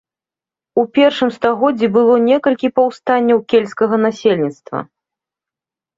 У першым стагоддзі было некалькі паўстанняў кельцкага насельніцтва.